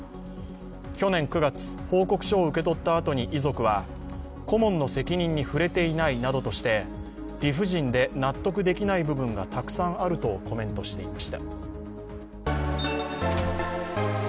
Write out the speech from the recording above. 去年９月、報告書を受け取ったあとに遺族は顧問の責任に触れていないなどとして理不尽で納得できない部分がたくさんあるとコメントしていました。